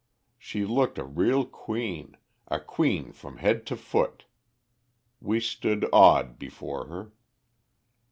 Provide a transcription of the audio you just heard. She looked a real queen, a queen from head to foot. We stood awed before her.